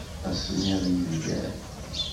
Asemmiḍ yebda-d.